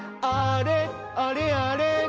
あれあれ？